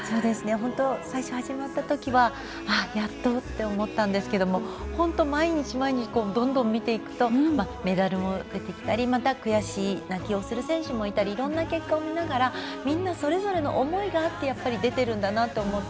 本当、最初始まったときはやっとって思ったんですけど本当、毎日毎日どんどん見ていくとメダルも出てきたりまた、悔し泣きをする選手もいたりいろんな結果を見ながらみんなそれぞれの思いがあって出ているんだなと思って。